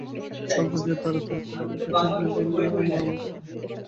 সর্বজয়া তাড়াতাড়ি ছেলে-মেয়ের কাছে গিয়া বলিল, ওমা আমার কি হবে।